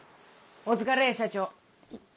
お疲れ社長。